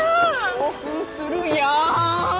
興奮するやん！